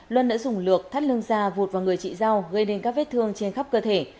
luân đã dùng lược thắt lưng ra vụt vào người chị giao gây đến các vết thương trên khắp cơ thể